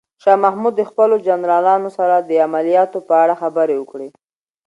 شاه محمود د خپلو جنرالانو سره د عملیاتو په اړه خبرې وکړې.